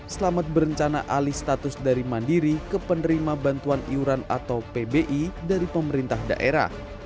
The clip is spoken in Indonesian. selamat berencana alih status dari mandiri ke penerima bantuan iuran atau pbi dari pemerintah daerah